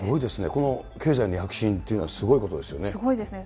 この経済の躍進っていうのはすごいことですよね。